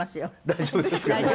大丈夫ですかね？